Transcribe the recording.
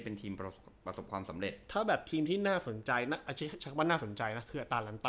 เป็นทีมประสบความสำเร็จถ้าแบบทีมที่น่าสนใจนะชะว่าน่าสนใจนะคือ